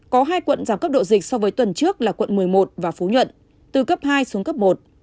có hai quận giảm cấp độ dịch so với tuần trước là quận một mươi một và phú nhuận từ cấp hai xuống cấp một